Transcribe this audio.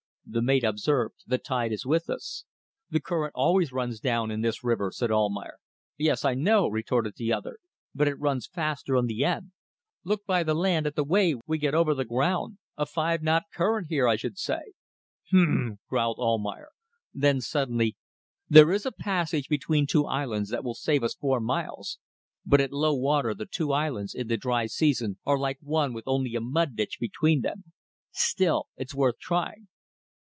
The mate observed: "The tide is with us." "The current always runs down in this river," said Almayer. "Yes I know," retorted the other; "but it runs faster on the ebb. Look by the land at the way we get over the ground! A five knot current here, I should say." "H'm!" growled Almayer. Then suddenly: "There is a passage between two islands that will save us four miles. But at low water the two islands, in the dry season, are like one with only a mud ditch between them. Still, it's worth trying."